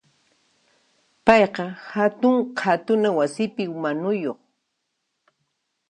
Payqa hatun qhatuna wasipi manuyuq.